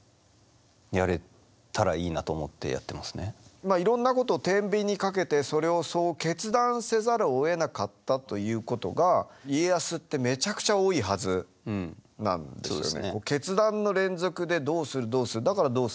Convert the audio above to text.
まあいろんなことをてんびんにかけてそれをそう決断せざるをえなかったということが家康ってめちゃくちゃ多いはずなんですよね。